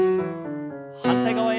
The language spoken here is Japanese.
反対側へ。